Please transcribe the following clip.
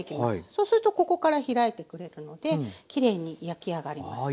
そうするとここから開いてくれるのできれいに焼き上がります。